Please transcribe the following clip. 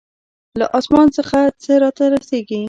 له آسمان څخه څه راته رسېږي.